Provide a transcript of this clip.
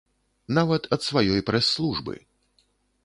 Нават ад сваёй прэс-службы!